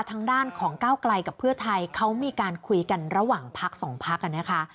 ทางด้านของก้าวไกลกับเพื่อไทยเขามีการคุยกันระหว่างพักสองพักกันนะคะ